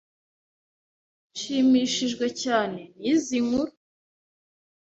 Nshimishijwe cyane nizi nkuru.